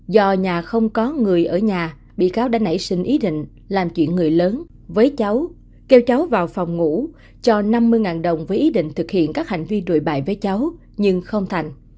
do nhà không có người ở nhà bị cáo đã nảy sinh ý định làm chuyện người lớn với cháu kêu cháu vào phòng ngủ cho năm mươi đồng với ý định thực hiện các hành vi đuổi bại với cháu nhưng không thành